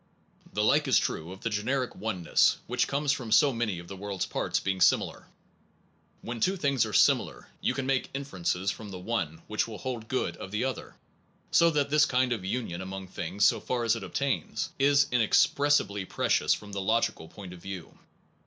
The like is true of the generic oneness which comes from so many of the world s parts being similar. When two things are similar you can make inferences from the one which will hold good of the other, so that this kind of union among things, so far as it obtains, is inexpres sibly precious from the logical point of view.